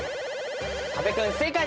阿部君正解です